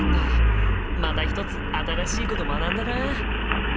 また一つ新しいこと学んだな！